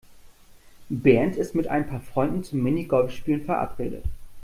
Bernd ist mit ein paar Freunden zum Minigolfspielen verabredet.